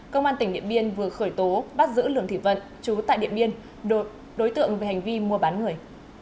công an tỉnh điện biên vừa khởi tố bắt giữ lường thị vận chú tại điện biên đối tượng về hành vi mua bán người